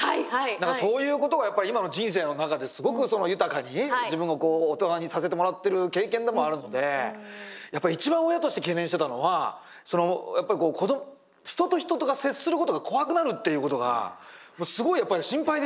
そういうことがやっぱり今の人生の中ですごく豊かに自分が大人にさせてもらってる経験でもあるのでやっぱり一番親として懸念してたのはやっぱりこう人と人とが接することが怖くなるっていうことがすごいやっぱり心配でした。